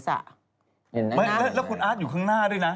แล้วคุณแอร์สอยู่ข้างหน้าด้วยนะ